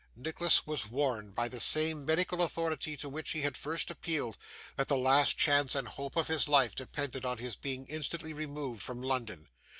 Nicholas was warned, by the same medical authority to whom he had at first appealed, that the last chance and hope of his life depended on his being instantly removed from London.